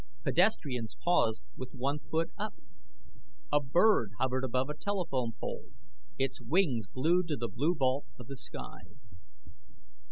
Pedestrians paused with one foot up. A bird hovered above a telephone pole, its wings glued to the blue vault of the sky.